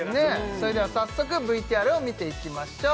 それでは早速ＶＴＲを見ていきましょう